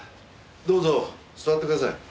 どうぞ座ってください。